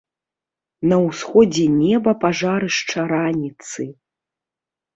На ўсходзе неба пажарышча раніцы.